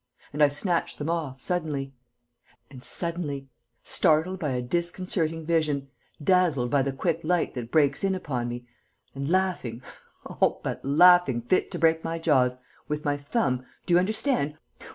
And I snatch them off, suddenly. And, suddenly, startled by a disconcerting vision, dazzled by the quick light that breaks in upon me and laughing, oh, but laughing fit to break my jaws, with my thumb do you understand?